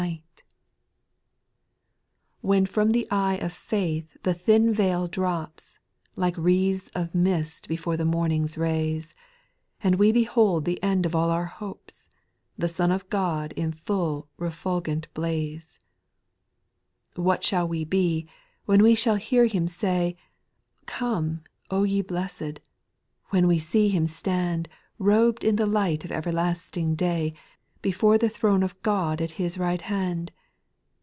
292 SPIRITUAL SONGS, When from the eye of faith the thin veil drops, Like wreaths of mist before the morning's rays, And we behold the end of all our hopes, The Son of God in full refulgent blaze 1 5. What shall we be, when we shall hear Him say, *' Come, O ye blessed," — when we see Him stand, liobed in tlie light of everlasting day, Before the throne of God at His right hand